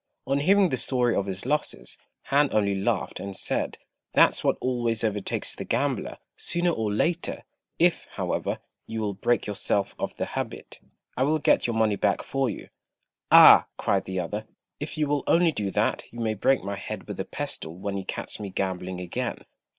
On hearing the story of his losses, Han only laughed, and said, "That's what always overtakes the gambler, sooner or later; if, however, you will break yourself of the habit, I will get your money back for you." "Ah," cried the other, "if you will only do that, you may break my head with a pestle when you catch me gambling again."